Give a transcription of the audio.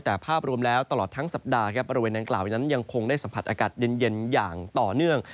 แต่ภาพรวมแล้วตลอดทั้งสัปดาห์ครับบริเวณดังกล่าวนั้นยังคงได้สัมผัสอากาศเย็นอย่างต่อเนื่อง